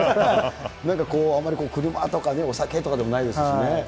なんかこう、あまり車とか、お酒とかではないでしょうしね。